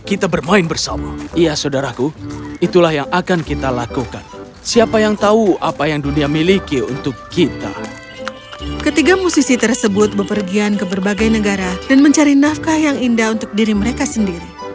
ketiga musisi tersebut bepergian ke berbagai negara dan mencari nafkah yang indah untuk diri mereka sendiri